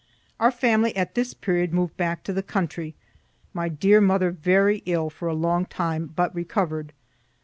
Our family at this period moved back to the country, my dear mother very ill for a long time, but recover'd.